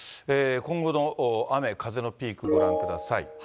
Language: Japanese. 今後の雨、風のピークご覧ください。